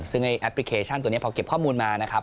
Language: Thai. ซึ่งแอปพลิเคชันตัวนี้พอเก็บข้อมูลมานะครับ